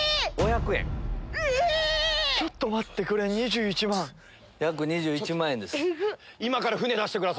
⁉ちょっと待って２１万⁉約２１万円です。